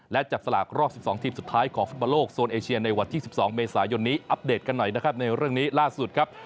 และจับสลากรอบ๑๒ทีมสุดท้ายของฟุตบอลโลกโซนเอเชียในวันที่๑๒เมษายนนี้อัปเดตกันหน่อยนะครับในเรื่องนี้ล่าสุดครับ